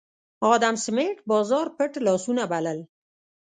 ادم سمېت بازار پټ لاسونه بلل